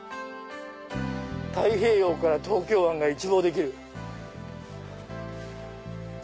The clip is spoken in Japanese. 太平洋から東京湾が一望できる。